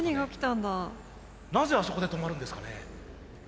なぜあそこで止まるんですかね？